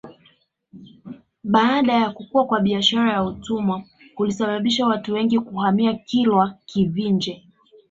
Baada ya kukua kwa biashara ya utumwa kulisababisha watu wengi kuhamia Kilwa Kivinje